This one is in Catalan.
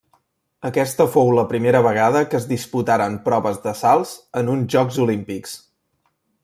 Aquesta fou la primera vegada que es disputaren proves de salts en uns Jocs Olímpics.